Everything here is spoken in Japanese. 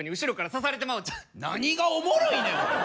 何がおもろいねんおい！